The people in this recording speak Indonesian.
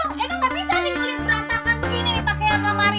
edah gak bisa nih ngulit berantakan begini nih pakaian lamari